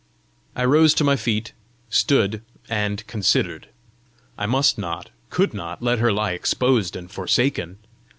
I rose to my feet, stood, and considered. I must not, could not let her lie exposed and forsaken!